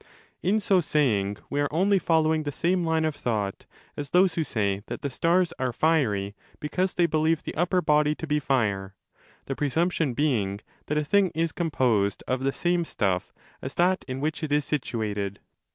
In so saying we are only following the same line of thought as those who say that the stars are fiery because they believe the upper body to be fire, the presumption being that a thing is composed of the same stuff as that in which it is situated.